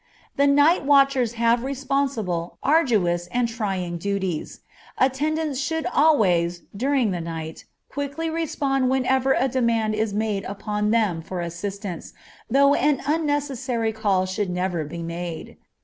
The night watchers have responsible, arduous, and trying duties. Attendants should always, during the night, quickly respond whenever a demand is made upon them for assistance, though an unnecessary call should never be made.